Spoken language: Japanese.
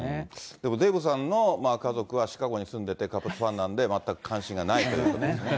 でもデーブさんの家族はシカゴに住んでて、カブスファンなんで、全く関心がないということですね。